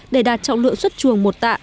để đạt trọng lượng xuất chuồng một tạ